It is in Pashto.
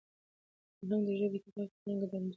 فرهنګ د ژبي، تاریخ او ټولني ګډ انځور دی.